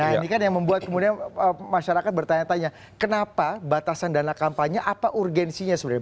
nah ini kan yang membuat kemudian masyarakat bertanya tanya kenapa batasan dana kampanye apa urgensinya sebenarnya